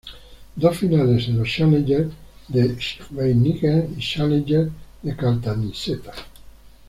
Dos finales en los Challenger de Scheveningen y Challenger de Caltanissetta.